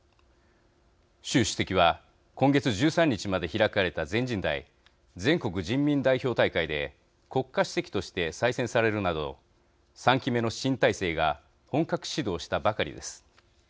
習主席は今月１３日まで開かれた全人代＝全国人民代表大会で国家主席として再選されるなど３期目の新体制が本格始動したばかりです。